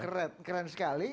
keren keren sekali